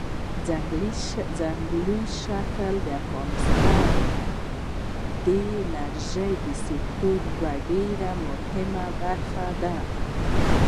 ځمکنی شکل د افغانستان د انرژۍ سکتور یوه ډېره مهمه برخه ده.